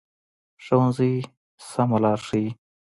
ښوونځی د سمه لار ښيي